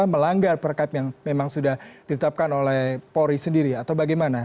melanggar perkab yang memang sudah ditetapkan oleh polri sendiri atau bagaimana